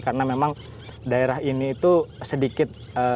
karena memang daerah ini itu sedikit